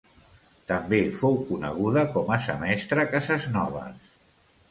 També fou coneguda com a Sa Mestra Cases Noves.